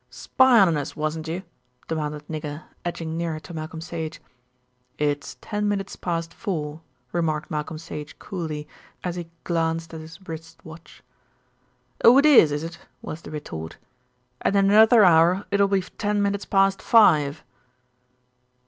"Spyin' on us, wasn't you?" demanded Nigger, edging nearer to Malcolm Sage. "It's ten minutes past four," remarked Malcolm Sage coolly, as he glanced at his wrist watch. "Oh, it is, is it?" was the retort, "and in another hour it'll be ten minutes past five."